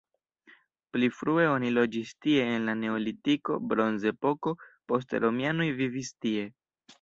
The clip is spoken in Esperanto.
Pli frue oni loĝis tie en la neolitiko, bronzepoko, poste romianoj vivis tie.